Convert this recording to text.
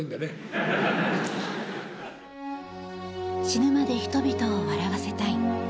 死ぬまで人々を笑わせたい。